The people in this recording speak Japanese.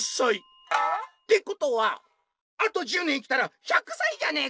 「ってことはあと１０年生きたら１００さいじゃねえか！」。